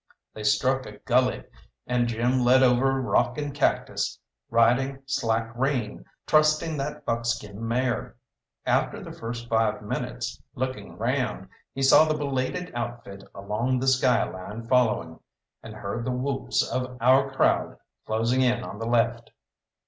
They struck a gulley, and Jim led over rock and cactus, riding slack rein, trusting that buckskin mare. After the first five minutes, looking round, he saw the belated outfit along the skyline following, and heard the whoops of our crowd closing in on the left.